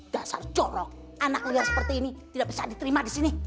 dasar corong anak liar seperti ini tidak bisa diterima di sini